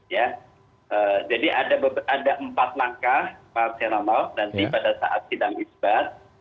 ya jadi ada empat langkah mas heranov nanti pada saat sidang isbat